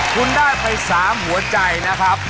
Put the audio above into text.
คุณได้ไป๓หัวใจนะครับ